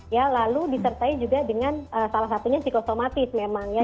ya lalu disertai juga dengan salah satunya psikosomatis memang ya